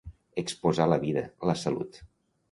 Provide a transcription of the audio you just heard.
Exposar la vida, la salut.